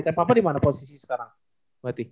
tapi papa di mana posisi sekarang berarti